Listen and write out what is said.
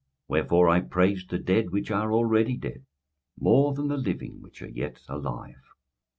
21:004:002 Wherefore I praised the dead which are already dead more than the living which are yet alive.